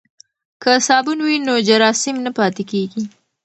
که صابون وي نو جراثیم نه پاتیږي.